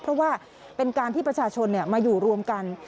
เพราะว่าเป็นการที่ประชาชนมาอยู่รวมกัน